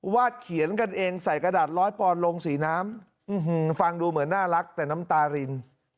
เขียนกันเองใส่กระดาษร้อยปอนด์ลงสีน้ำฟังดูเหมือนน่ารักแต่น้ำตาริน